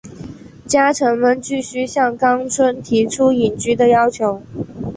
家臣们继续向纲村提出隐居的要求。